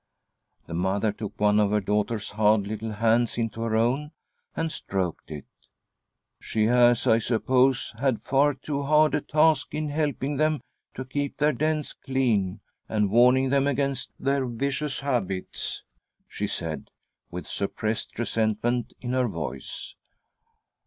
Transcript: The mother took one of her daughter's hard little hands into her own, and stroked it. " She has, I suppose, had far too hard a task in . helping them to keep their dens clean, and warning them against their vicious habits," she said, with suppressed resentment in her voice.